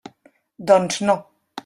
Doncs, no.